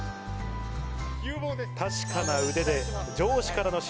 確かな腕で。